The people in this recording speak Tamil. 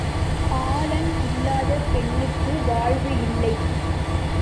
ஆளன் இல்லாத பெண்ணுக்கு வாழ்வு இல்லை.